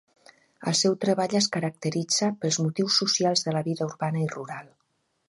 El seu treball es caracteritza pels motius socials de la vida urbana i rural.